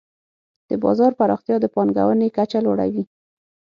د بازار پراختیا د پانګونې کچه لوړوي.